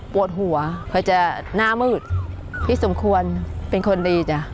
ปวดหัวเขาจะหน้ามืดพี่สมควรเป็นคนดีจ้ะ